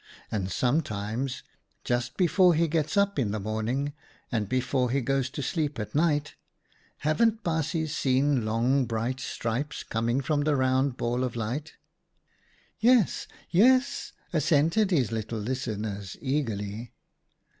And sometimes, just before he gets up in the morning, and before he goes to sleep at night, haven't baasjes seen long bright stripes coming from the round ball of light ?"■ 'Yes, yes," assented his little listeners, eagerly.